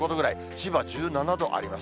千葉１７度あります。